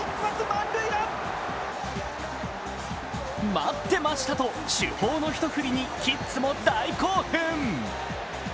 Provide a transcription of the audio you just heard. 待ってましたと主砲の一振りにキッズも大興奮。